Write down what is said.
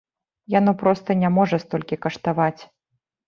Яно проста не можа столькі каштаваць.